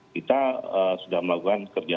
kita sudah melakukan kerjasama